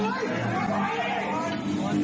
โดนล่างเสื้องงาน